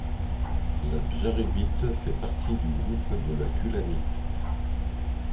La bjarébyite fait partie du groupe de la kulanite.